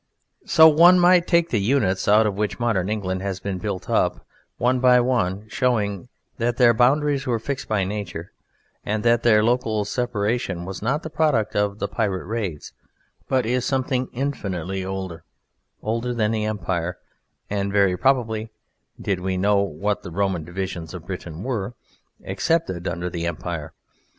So one might take the units out of which modern England has been built up one by one, showing that their boundaries were fixed by nature, and that their local separation was not the product of the pirate raids, but is something infinitely older, older than the Empire, and very probably (did we know what the Roman divisions of Britain were) accepted under the Empire.